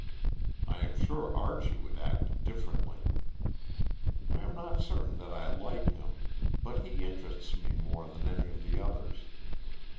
I am sure Archie would act differently. I am not certain that I like him, but he interests me more than any of the others.